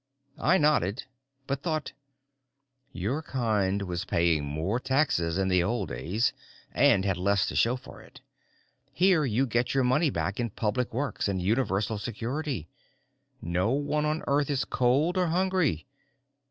I nodded, but thought: _Your kind was paying more taxes in the old days, and had less to show for it. Here you get your money back in public works and universal security. No one on Earth is cold or hungry.